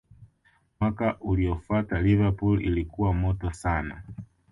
mwaka uliofuata Liverpool ilikuwa moto sana